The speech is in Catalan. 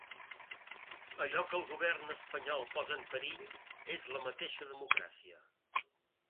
Allò que el govern espanyol posa en perill és la mateixa democràcia.